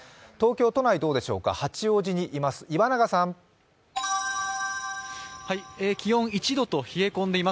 東京都内どうでしょうか、八王子にいます岩永さん。